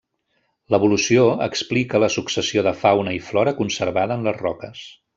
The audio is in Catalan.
L'evolució explica la successió de fauna i flora conservada en les roques.